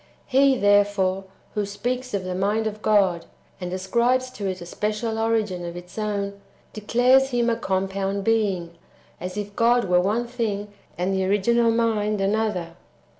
He, there fore, who speaks of the mind of God, and ascribes to it a special origin of its own, declares Him a compound Being, as if God were one thing, and the original Mind another.